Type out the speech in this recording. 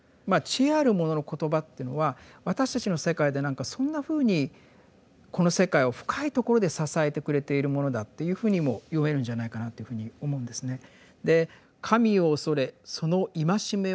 まあ知恵ある者の言葉っていうのは私たちの世界で何かそんなふうにこの世界を深いところで支えてくれているものだというふうにも読めるんじゃないかなというふうに思うんですね。